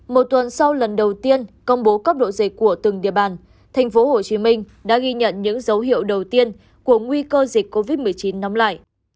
một tuần sau lần đầu tiên công bố cấp độ dịch của từng địa bàn tp hcm đã ghi nhận những dấu hiệu đầu tiên của nguy cơ dịch covid một mươi chín nóng lại